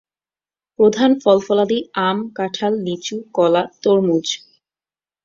প্রধান ফল-ফলাদি আম, কাঁঠাল, লিচু, কলা, তরমুজ।